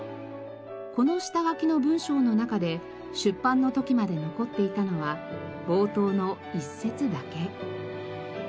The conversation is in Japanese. この下書きの文章の中で出版の時まで残っていたのは冒頭の一節だけ。